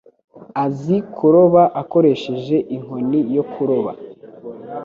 Azi kuroba akoresheje inkoni yo kuroba.